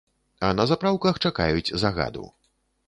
А на запраўках чакаюць загаду.